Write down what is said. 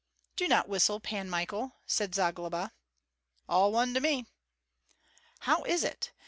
"Do not whistle, Pan Michael," said Zagloba. "All one to me!" "How is it?